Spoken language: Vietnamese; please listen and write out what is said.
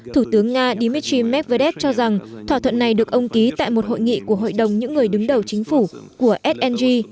thủ tướng nga dmitry medvedev cho rằng thỏa thuận này được ông ký tại một hội nghị của hội đồng những người đứng đầu chính phủ của sng